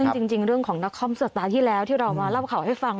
ซึ่งจริงเรื่องของนักคอมสัตว์ตาที่แล้วที่เรามารับข่าวให้ฟัง